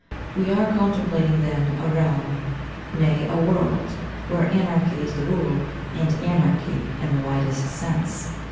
] We are contemplating, then, a realm, nay, a world, where anarchy is the rule, and anarchy in the widest sense.